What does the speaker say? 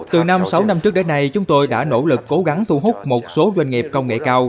từ năm sáu năm trước đến nay chúng tôi đã nỗ lực cố gắng thu hút một số doanh nghiệp công nghệ cao